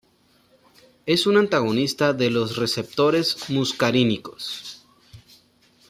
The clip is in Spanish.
Es un antagonista de los receptores muscarínicos.